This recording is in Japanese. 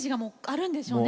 あるんです。